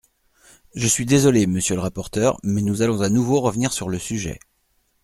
Je suis désolé, monsieur le rapporteur, mais nous allons à nouveau revenir sur le sujet.